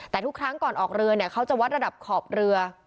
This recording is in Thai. แต่ทุกครั้งก่อนออกเรือเนี่ยเขาจะวัดระดับขอบเรือ